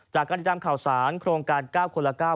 จากการติดตามข่าวสารโครงการ๙คนละ๙